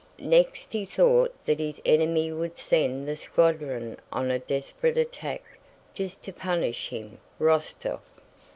Next he thought that his enemy would send the squadron on a desperate attack just to punish him—Rostóv.